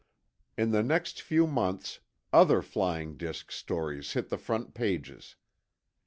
In the next few months, other flying disk stories hit the front pages.